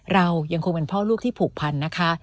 เรายังคงเป็นพ่อลูกที่ผูกพันนะคะ